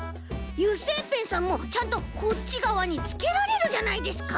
油性ペンさんもちゃんとこっちがわにつけられるじゃないですか！